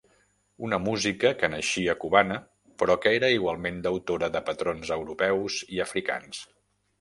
Una música que naixia cubana però que era igualment deutora de patrons europeus i africans.